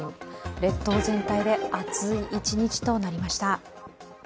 列島全体で暑い一日となりました。